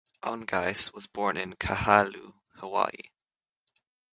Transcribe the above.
Ongais was born in Kahului, Hawaii.